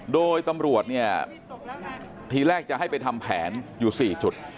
โดยตำรวจเนี่ยทีแรกจะให้ไปทำแผนอยู่๔จุด